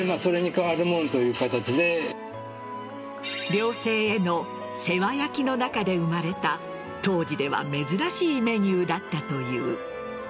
寮生への世話焼きの中で生まれた当時では珍しいメニューだったという。